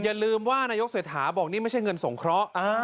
อย่าลืมว่านายกเศรษฐาบอกนี่ไม่ใช่เงินสงเคราะห์